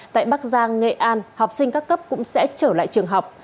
tại bắc giang nghệ an học sinh các cấp cũng sẽ trở lại trường học